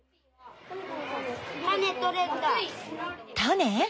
タネ？